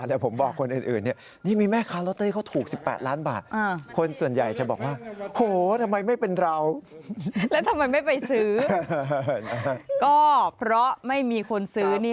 เหมือนเมื่อวานแล้วผมบอกคนอื่นนี่